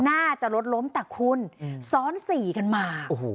น่าจะรถล้มแต่คุณซ้อนสี่กันมา